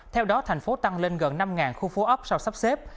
theo đó tp hcm tăng lên gần năm khu phố ấp sau sắp xếp